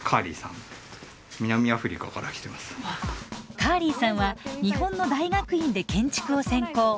カーリーさんは日本の大学院で建築を専攻。